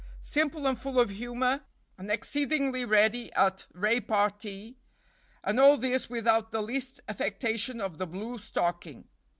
Simple and full of humor, and exceedingly ready at repartee; and all this without the least affectation of the blue stocking.